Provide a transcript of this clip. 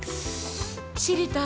知りたい？